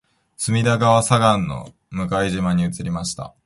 隅田川左岸の向島に移りました